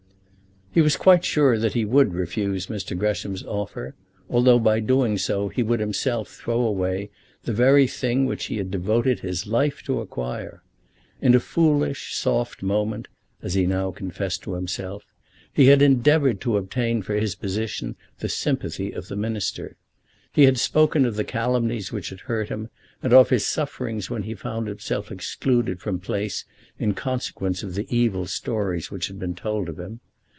He was quite sure that he would refuse Mr. Gresham's offer, although by doing so he would himself throw away the very thing which he had devoted his life to acquire. In a foolish, soft moment, as he now confessed to himself, he had endeavoured to obtain for his own position the sympathy of the Minister. He had spoken of the calumnies which had hurt him, and of his sufferings when he found himself excluded from place in consequence of the evil stories which had been told of him.